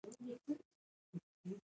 افغانستان د فاریاب لپاره مشهور دی.